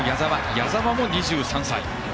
矢澤も２３歳。